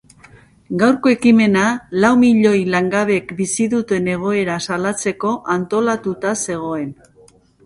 Gaurko ekimena lau milioi langabek bizi duten egoera salatzeko antolatuta zegoen.